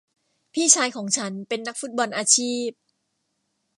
พี่ชายของฉันเป็นนักฟุตบอลอาชีพ